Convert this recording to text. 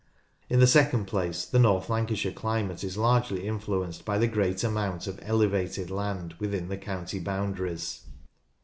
In the second place the North Lancashire climate is largely influenced by the great amount of elevated land within the county boundaries.